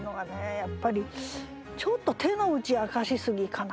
やっぱりちょっと手の内明かしすぎかな。